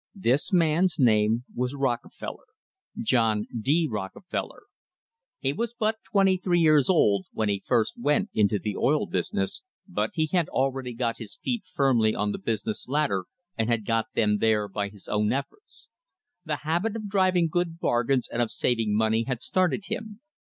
This man's name was Rockefeller — John D. Rockefeller. He was but twenty three years old when he first went into the oil business, but he had already got his feet firmly on the business ladder, and had got them there by his own efforts. The habit of driv ing good bargains and of saving money had started him.